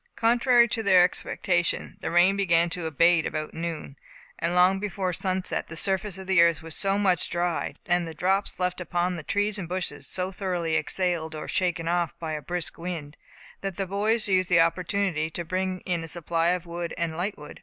Contrary to their expectation, the rain began to abate about noon, and long before sunset the surface of the earth was so much dried, and the drops left upon the trees and bushes so thoroughly exhaled or shaken off by a brisk wind, that the boys used the opportunity to bring in a supply of wood and lightwood.